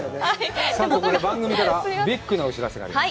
番組からビッグなお知らせがあります。